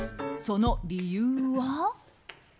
その理由は。